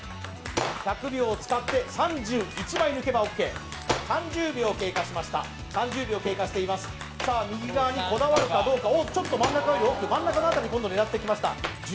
１００秒を使って３１枚抜けばＯＫ３０秒経過しました３０秒経過していますさあ右側にこだわるかどうかちょっと真ん中より奥真ん中のあたり今度狙ってきました